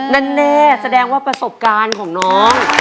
แน่แสดงว่าประสบการณ์ของน้อง